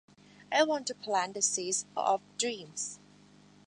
I want to plant the seeds of dreams.